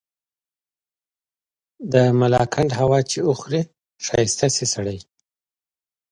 د ملاکنډ هوا چي وخوري ښايسته شی سړے